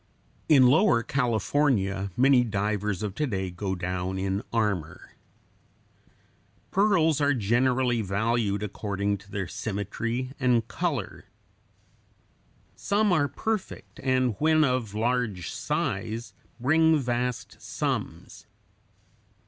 In Lower California many divers of to day go down in armor. [Illustration: FIG. 85. Pearl oysters.] Pearls are generally valued according to their symmetry and color. Some are perfect, and when of large size bring vast sums.